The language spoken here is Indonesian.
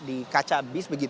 tadi ada megawati soekarno putri